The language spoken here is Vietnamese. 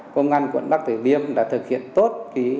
công an quận bắc tử liêm đã thực hiện tốt